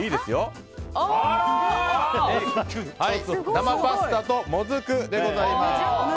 生パスタともずくでございます。